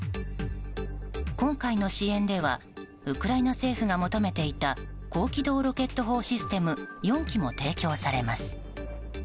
今回の支援ではウクライナ政府が求めていた高機動ロケット砲システム４基も提供されます。